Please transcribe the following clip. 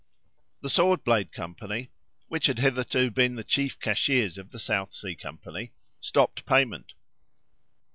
The Sword blade company, who had hitherto been the chief cashiers of the South Sea company, stopped payment.